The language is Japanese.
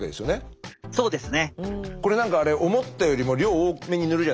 そうですね。